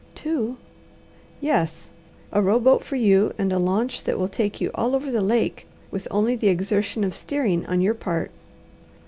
"Two?" "Yes. A row boat for you, and a launch that will take you all over the lake with only the exertion of steering on your part."